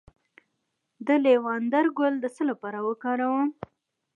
د لیوانډر ګل د څه لپاره وکاروم؟